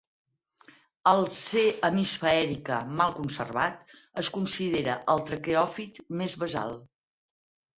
El "C. hemisphaerica" mal conservat es considera el traqueòfit més basal.